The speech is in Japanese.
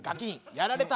「やられた。